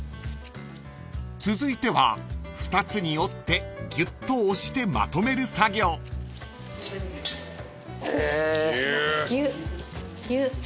［続いては２つに折ってギュッと押してまとめる作業］ギュッギュッ。